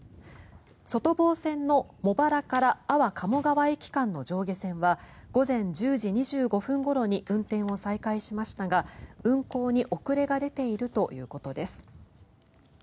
外房線の茂原から安房鴨川駅間の上下線は午前１０時２５分ごろに運転を再開しましたが運行に遅れが出ているということです。